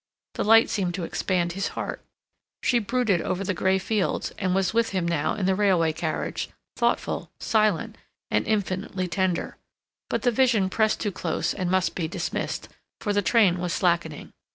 The light seemed to expand his heart. She brooded over the gray fields, and was with him now in the railway carriage, thoughtful, silent, and infinitely tender; but the vision pressed too close, and must be dismissed, for the train was slackening.